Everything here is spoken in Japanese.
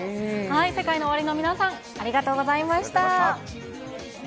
セカイノオワリの皆さん、ありがとうございました。